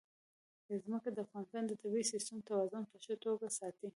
ځمکه د افغانستان د طبعي سیسټم توازن په ښه توګه ساتي.